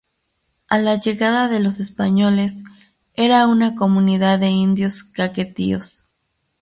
A la llegada de los españoles era una comunidad de indios Caquetíos.